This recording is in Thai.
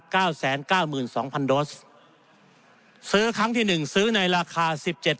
เก้าแสนเก้าหมื่นสองพันโดสซื้อครั้งที่หนึ่งซื้อในราคาสิบเจ็ด